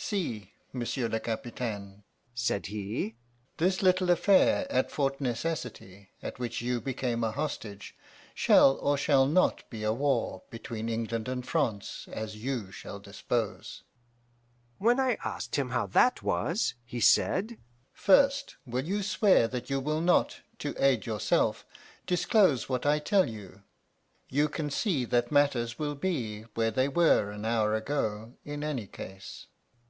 "'See, monsieur le capitaine,' said he, 'this little affair at Fort Necessity, at which you became a hostage, shall or shall not be a war between England and France as you shall dispose.' When I asked him how that was, he said, 'First, will you swear that you will not, to aid yourself, disclose what I tell you? You can see that matters will be where they were an hour ago in any case.